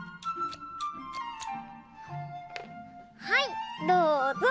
はいどうぞ！